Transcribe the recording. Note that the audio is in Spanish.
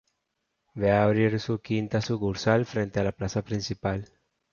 Va a abrir su quinta sucursal frente a la plaza principal.